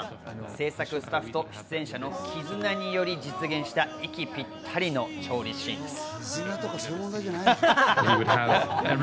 制作スタッフと出演者の絆により実現した息ぴったりの調理シーンです。